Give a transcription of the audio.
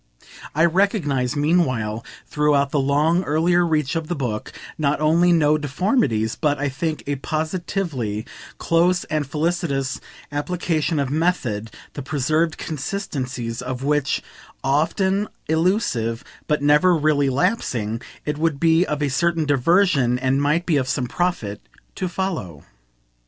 I recognise meanwhile, throughout the long earlier reach of the book, not only no deformities but, I think, a positively close and felicitous application of method, the preserved consistencies of which, often illusive, but never really lapsing, it would be of a certain diversion, and might be of some profit, to follow.